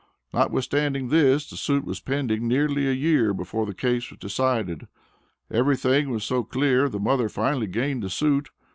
Notwithstanding this the suit was pending nearly a year before the case was decided. Everything was so clear the mother finally gained the suit.